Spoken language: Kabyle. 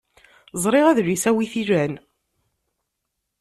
Ẓriɣ adlis-a wi t-ilan.